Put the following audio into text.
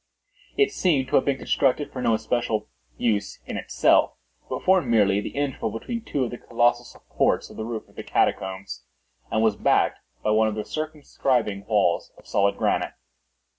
It seemed to have been constructed for no especial use in itself, but formed merely the interval between two of the colossal supports of the roof of the catacombs, and was backed by one of their circumscribing walls of solid granite.